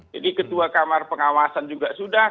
jadi ketua kamar pengawasan juga sudah